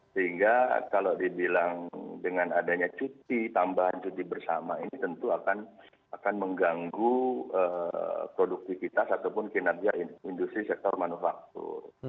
sehingga kalau dibilang dengan adanya cuti tambahan cuti bersama ini tentu akan mengganggu produktivitas ataupun kinerja industri sektor manufaktur